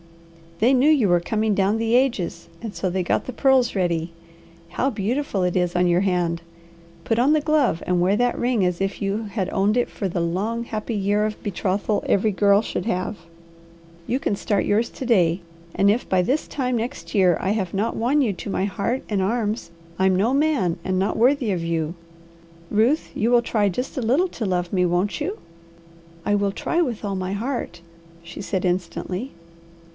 They knew you were coming down the ages, and so they got the pearls ready. How beautiful it is on your hand! Put on the glove and wear that ring as if you had owned it for the long, happy year of betrothal every girl should have. You can start yours to day, and if by this time next year I have not won you to my heart and arms, I'm no man and not worthy of you. Ruth, you will try just a little to love me, won't you?" "I will try with all my heart," she said instantly.